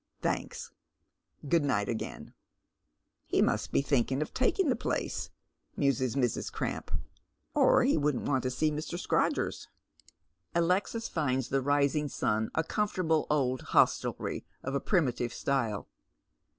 " Thanks, Good night again." " He must be thinking of taking the place," muses Mrs. Cramp, " or he wouldn't want to see Mr. Scrodgers." Alexis finds the " Rising Sun " a comfortable old hostelry of a primitive style.